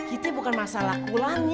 itu bukan masalah kulannya